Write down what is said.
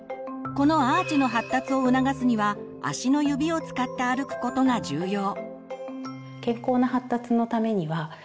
このアーチの発達を促すには足の指を使って歩くことが重要。